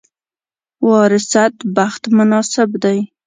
وراثت بخت مناسب دی.